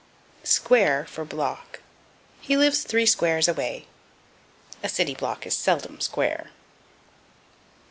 Square for Block. "He lives three squares away." A city block is seldom square.